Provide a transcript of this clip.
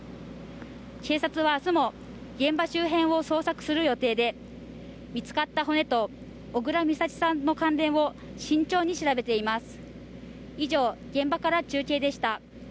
警察は明日も現場周辺を捜索する予定で見つかった骨と小倉美咲さんの関連を慎重に調べています。